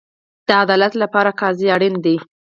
د عدالت لپاره قاضي اړین دی